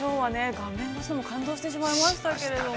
画面の外で感動してしまいましたけど。